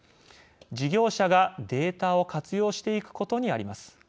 事業者がデータを活用していくことにあります。